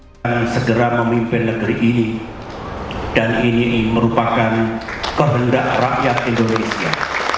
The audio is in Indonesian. kita segera memimpin negeri ini dan ini merupakan kehendak rakyat indonesia